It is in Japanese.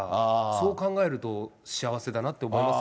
そう考えると、幸せだなって思い